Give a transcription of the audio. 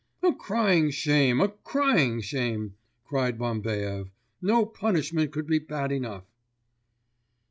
'A crying shame, a crying shame!' cried Bambaev. 'No punishment could be bad enough!